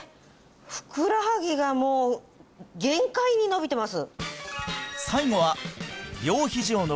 ふくらはぎがもう限界に伸びてます